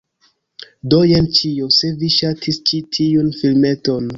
Do jen ĉio! Se vi ŝatis ĉi tiun filmeton